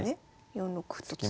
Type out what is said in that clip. ４六歩と突いて。